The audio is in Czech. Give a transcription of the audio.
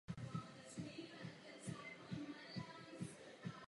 Je prohlášena za vesnickou památkovou zónu.